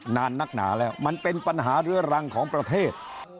นักหนาแล้วมันเป็นปัญหาเรื้อรังของประเทศ